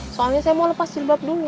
soalnya saya mau lepas jilbab dulu